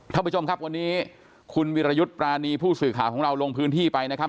ท่านผู้ชมครับวันนี้คุณวิรยุทธ์ปรานีผู้สื่อข่าวของเราลงพื้นที่ไปนะครับ